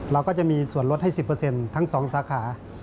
เราก็จะมีส่วนลดให้๑๐ทั้ง๒สาขา